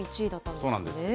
そうなんですよね。